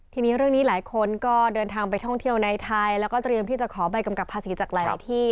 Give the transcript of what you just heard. ทีนี้เรื่องนี้หลายคนก็เดินทางไปท่องเที่ยวในไทยแล้วก็เตรียมที่จะขอใบกำกับภาษีจากหลายที่